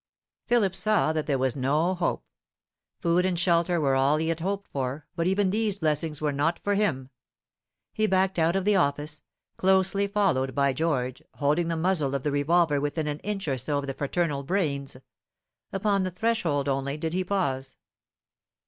Philip saw that there was no hope. Food and shelter were all he had hoped for; but even these blessings were not for him. He backed out of the office, closely followed by George, holding the muzzle of the revolver within an inch or so of the fraternal brains. Upon the threshold only did he pause.